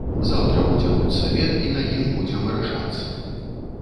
Заўтра будзе худсавет, і на ім будзе вырашацца.